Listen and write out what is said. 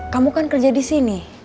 kamu kan kerja disini